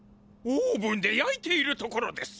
オーブンでやいているところです。